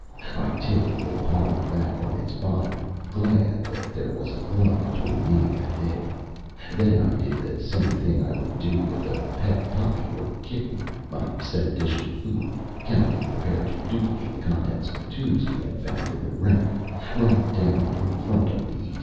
I tipped the little horror back on its bottom, glad that there was a glove between me and it. Then I did the same thing I would do with a pet puppy or kitten. I set a dish of food chemically prepared to duplicate the contents of the tubes we had found in the wreck right down in front of the E.